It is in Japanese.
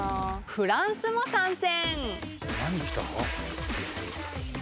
フランスも参戦。